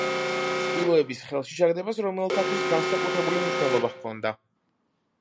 სპილოების ხელში ჩაგდებას რომაელთათვის განსაკუთრებული მნიშვნელობა ჰქონდა.